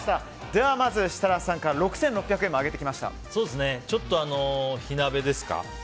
ではまず設楽さんからちょっと、火鍋ですか。